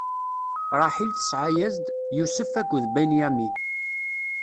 Ṛaḥil tesɛa-yas-d: Yusef akked Binyamin.